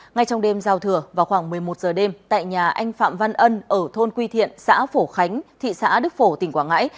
ngay trong đêm giao thừa vào khoảng một mươi một giờ đêm tại nhà anh phạm văn ân ở thôn quy thiện xã phổ khánh thị xã đức phổ tỉnh quảng ngãi